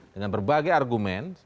dengan berbagai argumen